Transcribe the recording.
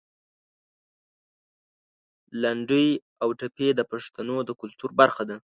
لنډۍ او ټپې د پښتنو د کلتور برخه ده.